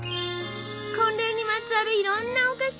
婚礼にまつわるいろんなお菓子！